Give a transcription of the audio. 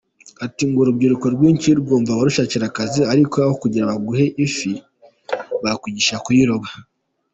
Ati “Urubyiruko rwinshi rwumva barushakira akazi, ariko aho kugira ngo baguhe ifi bakwigisha kuyirobera.